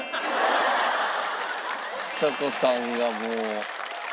ちさ子さんがもう。